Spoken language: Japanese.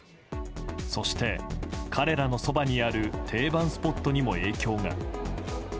そして彼らのそばにある定番スポットにも影響が。